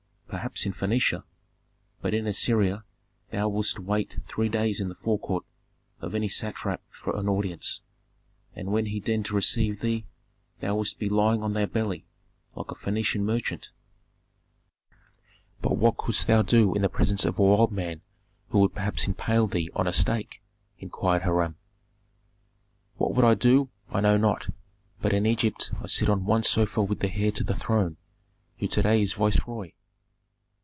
"Perhaps in Phœnicia. But in Assyria thou wouldst wait three days in the forecourt of any satrap for an audience, and when he deigned to receive thee thou wouldst be lying on thy belly, like any Phœnician merchant." "But what couldst thou do in presence of a wild man who would perhaps impale thee on a stake?" inquired Hiram. "What I would do, I know not. But in Egypt I sit on one sofa with the heir to the throne, who to day is viceroy."